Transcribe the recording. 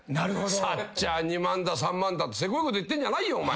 触っちゃ２万だ３万だってセコいこと言ってんじゃないよ。